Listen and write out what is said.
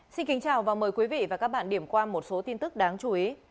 xin kính chào và mời quý vị và các bạn điểm qua một số tin tức đáng chú ý